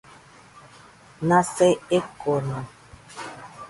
Nase ekono.